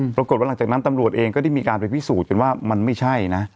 ปรากฏว่าหลังจากนั้นตำรวจเองก็ได้มีการไปพิสูจน์กันว่ามันไม่ใช่นะ